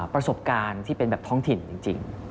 ประสบการณ์ที่เป็นแบบท้องถิ่นจริง